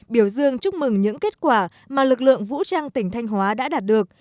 biểu dương chúc mừng những kết quả mà lực lượng vũ trang tỉnh thanh hóa đã đạt được